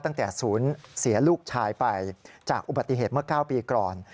ตั้งแต่ศูนย์เสียลูกชายไปจากอุบัติเหตุเมื่อ๙ปีก่อน